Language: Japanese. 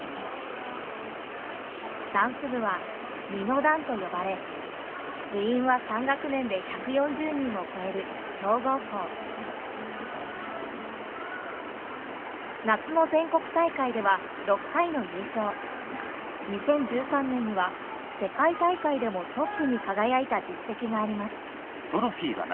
ダンス部は「みのだん」と呼ばれ部員は３学年で１４０人を超える強豪校夏の全国大会では６回の優勝２０１３年には世界大会でもトップに輝いた実績があります